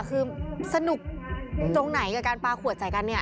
คือสนุกตรงไหนกับการปลาขวดใส่กันเนี่ย